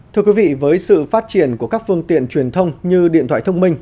thưa quý vị với sự phát triển của các phương tiện truyền thông như điện thoại thông minh